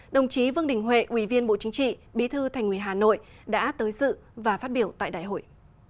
đồng chí vương đình huệ ủy viên bộ chính trị bí thư thành ủy hà nội đã tới dự và phát biểu tại đại hội